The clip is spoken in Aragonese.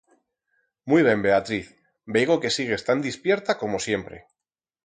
Muit ben, Beatriz, veigo que sigues tan dispierta como siempre.